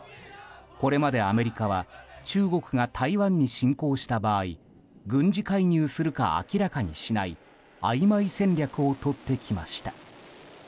これまでアメリカは中国が台湾に侵攻した場合軍事介入するか明らかにしないあいまい戦略をとってきました。